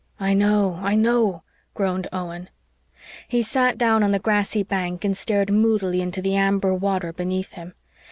"I know I know," groaned Owen. He sat down on the grassy bank and stared moodily into the amber water beneath him.